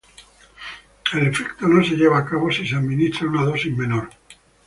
El efecto no se lleva a cabo si se administra una dosis menor.